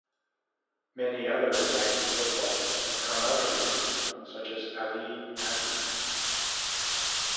Many other Iraqi footballers have come out of the school such as Ali Adnan.